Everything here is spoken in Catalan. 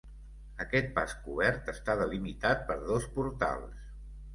Aquest pas cobert està delimitat per dos portals.